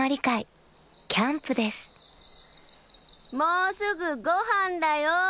もうすぐごはんだよ！